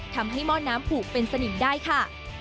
ทำให้มอดน้ำผูกเป็นสนิมได้ค่ะ